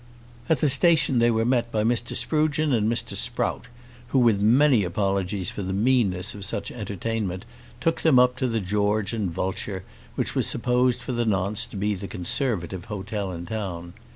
At the station they were met by Mr. Sprugeon and Mr. Sprout, who, with many apologies for the meanness of such entertainment, took them up to the George and Vulture, which was supposed for the nonce to be the Conservative hotel in the town.